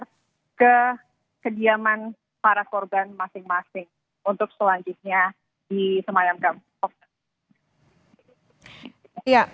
agar ke kediaman para korban masing masing untuk selanjutnya di semayam okta